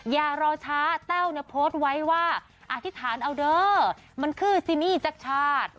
อย่ารอช้าแต้วเนี่ยโพสต์ไว้ว่าอธิษฐานเอาเด้อมันคือซิมี่จากชาติ